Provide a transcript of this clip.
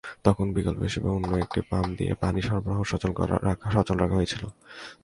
তখন বিকল্প হিসেবে অন্য একটি পাম্প দিয়ে পানি সরবরাহ সচল রাখা হয়েছিল।